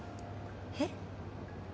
えっ？